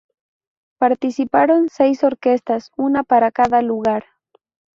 Participaron seis orquestas, una para cada lugar.